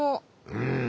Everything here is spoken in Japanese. うん。